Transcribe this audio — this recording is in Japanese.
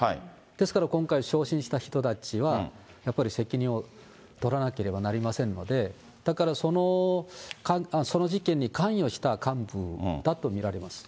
ですから今回、昇進した人たちはやっぱり責任を取らなければなりませんので、だからその事件に関与した幹部だと見られます。